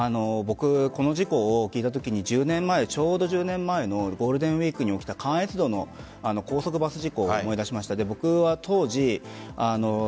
この事故を聞いたときにちょうど１０年前のゴールデンウイークに起きた関越道の高速バス事故を思い出しました。